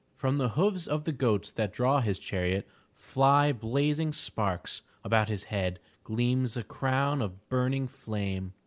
From the hoofs of the goats that draw his chariot fly blazing sparks, about his head gleams a crown of burning flame.